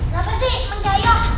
kenapa sih menjayok